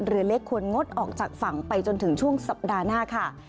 เรือเล็กควรงดออกจากฝั่งไปจนถึงช่วงสัปดาห์หน้าค่ะ